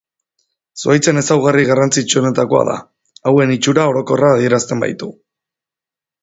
Zuhaitzen ezaugarri garrantzitsuenetakoa da, hauen itxura orokorra adierazten baitu.